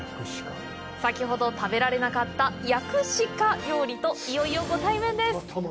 先ほど食べられなかった屋久鹿料理といよいよご対面です。